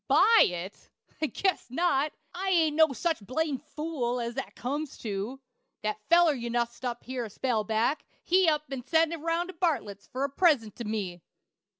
"Buy it! I guess not. I ain't no such blamed fool as that comes to. That feller you nussed up here a spell back, he up an' sent it roun' to Bartlett's, for a present to me."